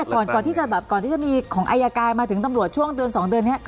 ก่อนที่จะมีของอายกายมาถึงตำรวจช่วงเดือนสองเดือนนี้